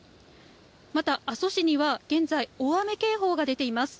また、阿蘇市には現在、大雨警報が出ています。